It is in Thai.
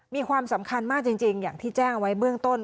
มีความสำคัญมากจริงอย่างที่แจ้งไว้เบื้องต้น